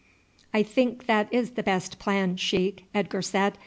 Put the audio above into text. "I think that is the best plan, sheik," Edgar said.